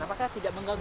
apakah tidak mengganggu